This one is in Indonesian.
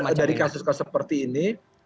saya pikir dari kasus kasus seperti ini